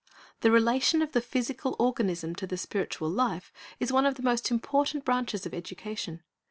The relation of the physical organism to the spiritual life is one of the most important branches of education.